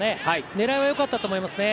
狙いは良かったと思いますね。